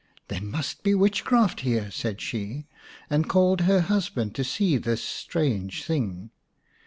" There must be witchcraft here," said she, and called her husband to see this strange thing.